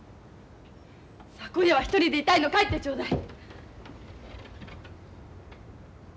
さあ今夜は１人でいたいの帰ってちょうだい！